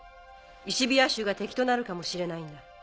石火矢衆が敵となるかもしれないんだ。